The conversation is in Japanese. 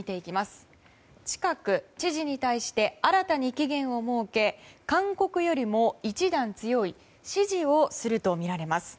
近く、知事に対して新たに期限を設け勧告よりも一段強い指示をするとみられます。